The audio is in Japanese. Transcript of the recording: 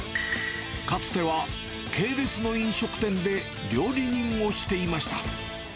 かつては系列の飲食店で料理人をしていました。